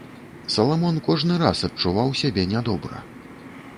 Саламон кожны раз адчуваў сябе нядобра.